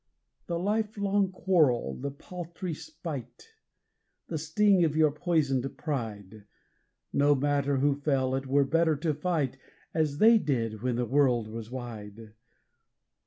The life long quarrel, the paltry spite, the sting of your poisoned pride! No matter who fell it were better to fight as they did when the world was wide.